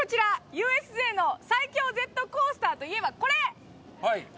ＵＳＪの最強ジェットコースターといえばこれ！